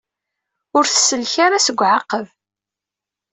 Ur tsellek ara seg uɛaqeb.